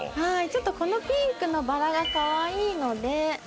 ちょっとこのピンクのバラがかわいいので。